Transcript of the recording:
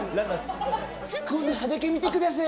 今度、裸見てください。